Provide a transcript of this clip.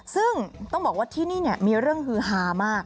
ซึ่งต้องบอกว่าที่นี่มีเรื่องฮือฮามาก